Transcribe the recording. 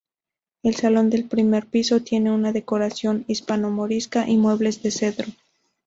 El salón del primer piso tiene una decoración hispano-morisca y muebles de cedro.